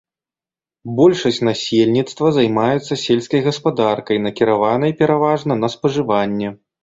Большасць насельніцтва займаецца сельскай гаспадаркай, накіраванай пераважна на спажыванне.